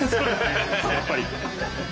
やっぱり。